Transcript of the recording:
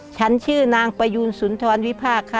ฉันชื่อนางประยูนสุนทรวิพากษ์ค่ะ